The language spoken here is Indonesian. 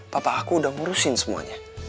papa aku udah ngurusin semuanya